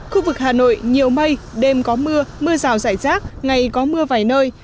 khu vực hà nội nhiều mây đêm có mưa mưa rào rải rác ngày có mưa vài nơi